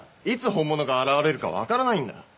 いつ本物が現れるか分からないんだ。